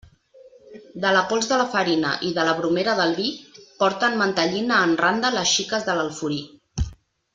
De la pols de la farina i de la bromera del vi, porten mantellina en randa les xiques de l'Alforí.